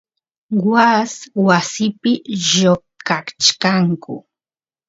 waas wasipi lloqachkanku